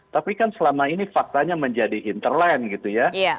tapi kan selama ini faktanya menjadi interland gitu ya